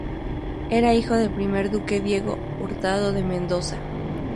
Era hijo del primer duque Diego Hurtado de Mendoza.